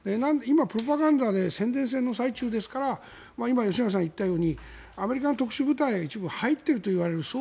今、プロパガンダで宣伝戦の最中ですから今、吉永さんがおっしゃったようにアメリカの特殊部隊が一部入っているといわれる。